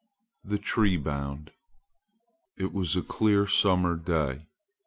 THE TREE BOUND IT was a clear summer day.